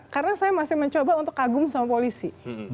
karena saya masih mencoba untuk kagum sama polisi